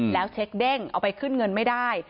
แล้วเช็คเด้งเอาไปขึ้นเงินไม่ได้